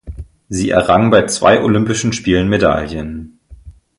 Sie errang bei zwei Olympischen Spielen Medaillen.